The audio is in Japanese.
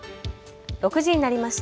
６時になりました。